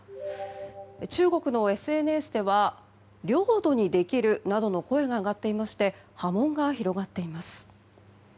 中国のＳＮＳでは領土にできるなどの声が上がっていまして波紋が広がっています。